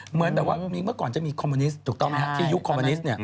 เหมือนแบบว่าเมื่อก่อนจะมีคอมมิวนิสต์ถูกต้องไหมครับที่ยุคคอมมิวนิสต์